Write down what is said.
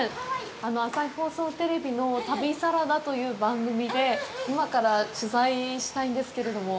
朝日放送テレビの旅サラダという番組で今から取材したいんですけれども。